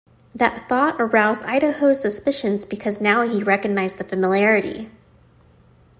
That thought aroused Idaho's suspicions because now he recognized the familiarity.